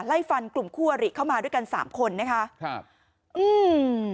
ไล่ฟันกลุ่มคู่อริเข้ามาด้วยกันสามคนนะคะครับอืม